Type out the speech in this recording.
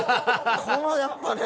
このやっぱね。